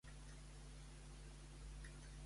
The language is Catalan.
On ha enunciat que s'apartava de la política?